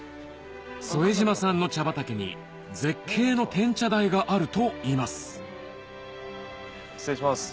副島さんの茶畑に絶景の天茶台があるといいます失礼します。